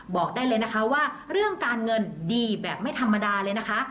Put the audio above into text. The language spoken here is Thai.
บอกได้เลยนะคะว่าเรื่องการเงินดีแบบไม่ธรรมดาเลยนะคะ